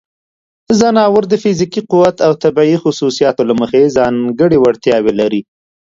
ځناور د فزیکي قوت او طبیعی خصوصیاتو له مخې ځانګړې وړتیاوې لري.